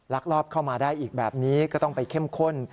ลอบเข้ามาได้อีกแบบนี้ก็ต้องไปเข้มข้น